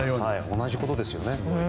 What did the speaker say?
同じことですよね。